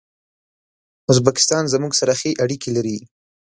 ازبکستان زموږ سره ښې اړیکي لري.